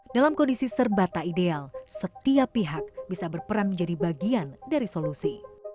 dalam kondisi serba tak ideal setiap pihak bisa berperan menjadi bagian dari solusi